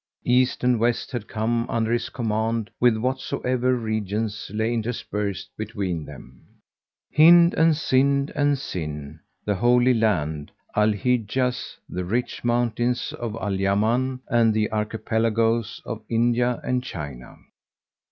East and West had come under his command with whatsoever regions lay interspersed between them, Hind and Sind and Sin,[FN#141] the Holy Land, Al Hijaz, the rich mountains of Al Yaman and the archipelagos of India and China.